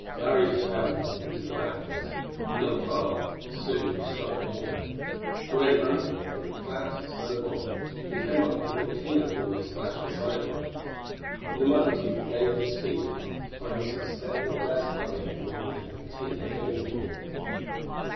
Larry fell into blackness but not far, for soon he struck water. He went under, hit a flat, stone bottom, and came up to hear Tina fall with a splash beside him. In a moment he regained his feet, to find himself standing breast high in the water with Tina clinging to him.